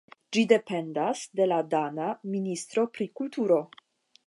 Ĝi dependas de la dana ministro pri kulturo.